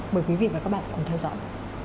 mời quý vị và các bạn cùng theo dõi